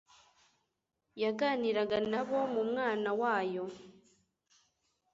yaganiraga nabo mu Mwana wa yo.